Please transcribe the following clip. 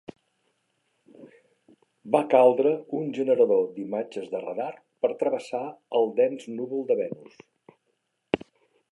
Va caldre un generador d'imatges de radar per travessar el dens núvol de Venus.